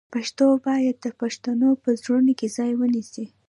پښتو باید بیا د پښتنو په زړونو کې ځای ونیسي.